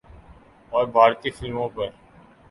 اور بھارتی فلموں پر